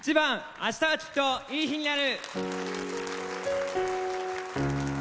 「明日はきっといい日になる」。